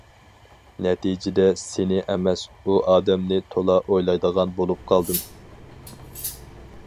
نەتىجىدە، سېنى ئەمەس، ئۇ ئادەمنى تولا ئويلايدىغان بولۇپ قالدىم.